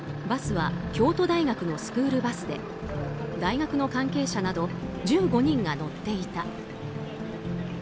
バスは京都大学のスクールバスで大学の関係者など１５人が乗っていた。